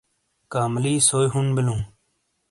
کاملی سئی ہون بلوں۔